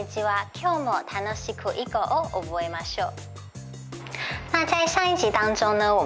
今日も楽しく囲碁を覚えましょう。